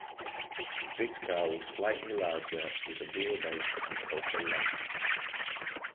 This car was slightly larger with a wheelbase and total length.